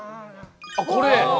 あっこれ！